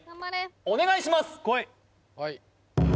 お願いします！